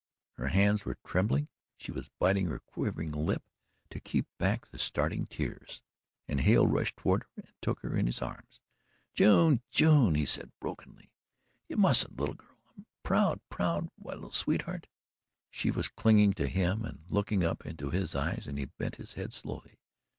Her hands were trembling, she was biting her quivering lip to keep back the starting tears, and Hale rushed toward her and took her in his arms. "June! June!" he said brokenly. "You mustn't, little girl. I'm proud proud why little sweetheart " She was clinging to him and looking up into his eyes and he bent his head slowly.